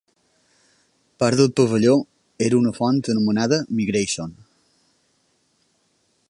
Part del pavelló era una font anomenada Migration.